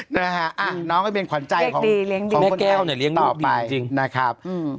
นะฮะอ่ะน้องก็เป็นขวัญใจของคนไทยต่อไปนะครับอืม